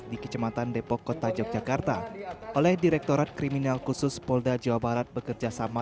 di kecematan depok kota yogyakarta oleh direktorat kriminal khusus polda jawa barat bekerjasama